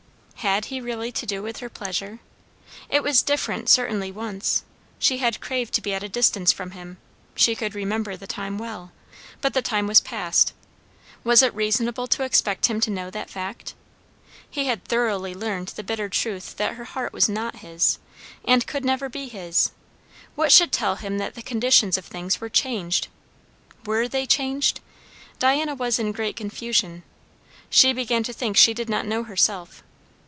Had he really to do with her pleasure? It was different certainly once. She had craved to be at a distance from him; she could remember the time well; but the time was past. Was it reasonable to expect him to know that fact? He had thoroughly learned the bitter truth that her heart was not his, and could never be his; what should tell him that the conditions of things were changed. Were they changed? Diana was in great confusion. She began to think she did not know herself.